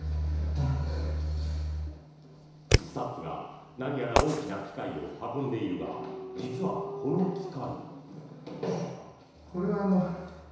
スタッフが何やら大きな機械を運んでいるが実はこの機械。